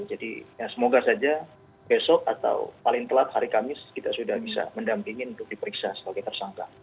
jadi semoga saja besok atau paling telat hari kamis kita sudah bisa mendampingi untuk diperiksa sebagai tersangka